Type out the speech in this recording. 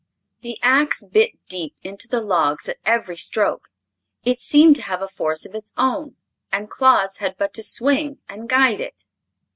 The ax bit deep into the logs at every stroke. It seemed to have a force of its own, and Claus had but to swing and guide it.